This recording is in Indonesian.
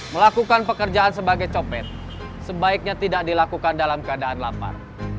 melakukan pekerjaan sebagai copet sebaiknya tidak dilakukan dalam keadaan lapar